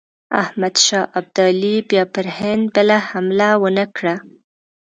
احمدشاه ابدالي بیا پر هند بله حمله ونه کړه.